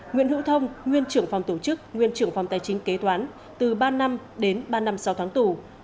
nguyễn hữu thông nguyên trưởng phòng tổ chức nguyên trưởng phòng tài chính kế toán từ ba năm đến ba năm sau tháng tù